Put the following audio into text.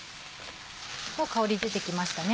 もう香り出てきましたね。